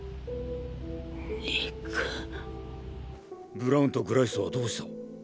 ブラウンとグライスはどうした？